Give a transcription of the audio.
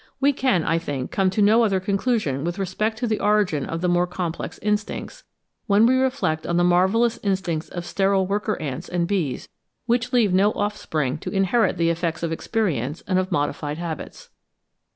We can, I think, come to no other conclusion with respect to the origin of the more complex instincts, when we reflect on the marvellous instincts of sterile worker ants and bees, which leave no offspring to inherit the effects of experience and of modified habits.